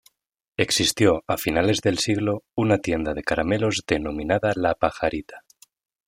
Existió a finales del siglo una tienda de caramelos denominada "La Pajarita".